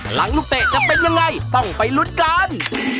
หลังลูกเตะจะเป็นยังไงต้องไปลุ้นกัน